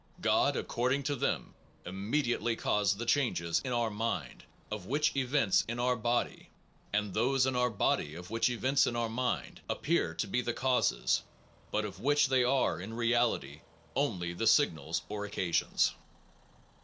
God, according to them, immediately caused the changes in our mind of which events in our body, and those in our body of which events in our mind, appear to be the causes, but of which they are in reality only the signals or occasions.